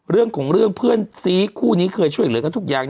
เรื่องของเรื่องเพื่อนซีคู่นี้เคยช่วยเหลือกันทุกอย่าง